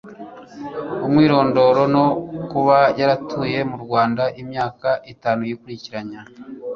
Umwirondoro no kuba yaratuye mu Rwanda imyaka itanu yikurikiranya.